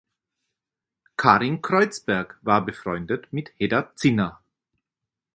Carin Kreuzberg war befreundet mit Hedda Zinner.